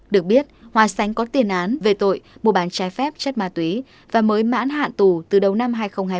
được biết hòa sánh có tiền án về tội mua bán trái phép chất ma túy và mới mãn hạn tù từ đầu năm hai nghìn hai mươi ba